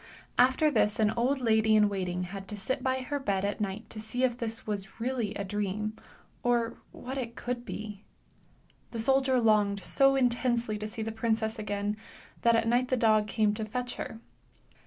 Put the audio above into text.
After this an old lady in waiting had to sit by her bed at night to see if this was really a dream, or what it could be. The soldier longed so intensely to see the princess again that at night the dog came to fetch her.